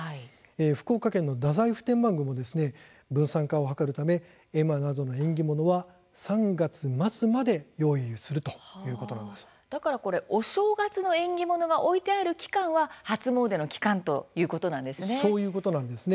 福岡県の太宰府天満宮も分散化を図るため、絵馬などの縁起物は３月末まで用意をするとだから、お正月の縁起物が置いてある期間は初詣の期間ということなんですね。